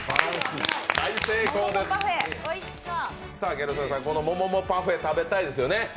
ギャル曽根さん、このもももパフェ、食べたいですよね？